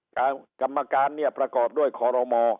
กรรมการเนี่ยประกอบด้วยคอรมอ